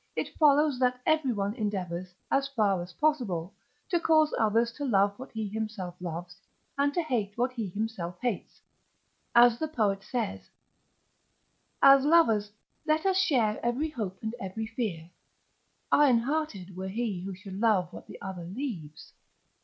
it follows that everyone endeavours, as far as possible, to cause others to love what he himself loves, and to hate what he himself hates: as the poet says: "As lovers let us share every hope and every fear: ironhearted were he who should love what the other leaves."